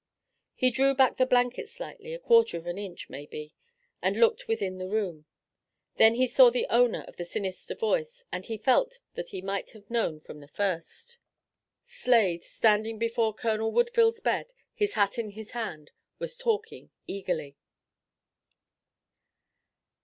He drew back the blanket slightly, a quarter of an inch, maybe, and looked within the room. Then he saw the owner of the sinister voice, and he felt that he might have known from the first. Slade, standing before Colonel Woodville's bed, his hat in his hand, was talking eagerly.